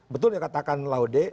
betul ya katakan laudy